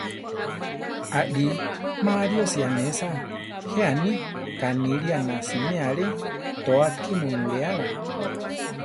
Aʼlí, ma ariósi anésa, jé aní: kanilía na siméa Ale tóa Kimu nuléala.